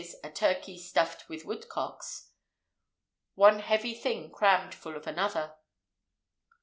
a turkey stuffed with woodcocks), one heavy thing crammed full of another.